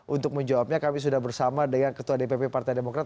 untuk menjawabnya kami sudah bersama dengan ketua dpp partai demokrat